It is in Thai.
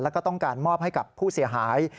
แล้วก็ต้องการมอบให้กับผู้เสียหาย